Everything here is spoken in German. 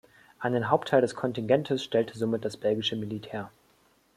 Einen Hauptteil des Kontingentes stellte somit das belgische Militär.